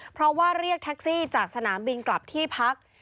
เพราะว่าเรียกแท็กซี่จากสนามบินกลับที่พัก